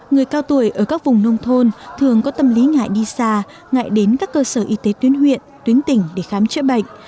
người cao tuổi ở các vùng nông thôn thường có tâm lý ngại đi xa ngại đến các cơ sở y tế tuyến huyện tuyến tỉnh để khám chữa bệnh